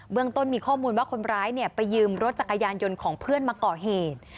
เรื่องต้นมีข้อมูลว่าคนร้ายไปยืมรถจักรยานยนต์ของเพื่อนมาก่อเหตุ